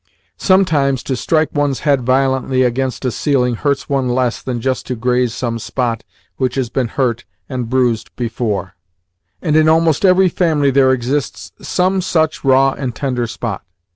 Sometimes to strike one's head violently against a ceiling hurts one less than just to graze some spot which has been hurt and bruised before: and in almost every family there exists some such raw and tender spot.